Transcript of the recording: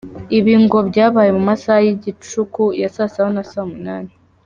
Ibi ngo byabaye mu masaha y’ igicuku ya saa saba na saa munani.